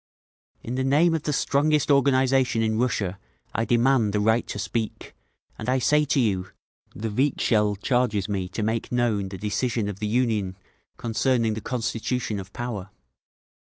"In the name of the strongest organisation in Russia I demand the right to speak, and I say to you: the Vikzhel charges me to make known the decision of the Union concerning the constitution of Power.